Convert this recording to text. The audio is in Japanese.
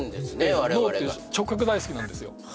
我々が脳って直角大好きなんですよ